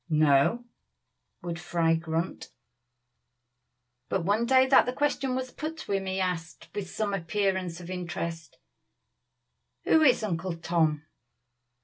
"No!" would Fry grunt. But one day that the question was put to him he asked, with some appearance of interest, "Who is Uncle Tom?"